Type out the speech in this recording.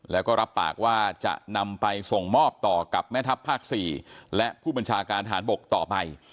แล้วก็รับปากว่าจะนำไปส่งมอบต่อกับแม่ทัพภาค๔และผู้บัญชาการฐานบกต่อไป